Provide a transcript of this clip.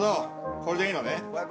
これでいいのね。